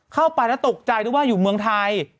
เข้าไปแล้วตกใจด้วยว่าอยู่เมืองไทย